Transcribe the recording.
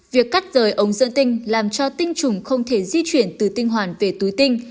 việc cắt rời ống dẫn tinh làm cho tinh trùng không thể di chuyển từ tinh hoàn về túi tinh